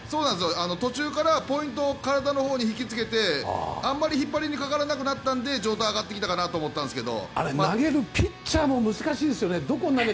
途中からはポイントを体のほうに引きつけて、あまり引っ張りにかからなくなったので状態上がってきたかなと投げるピッチャーも難しいですよね。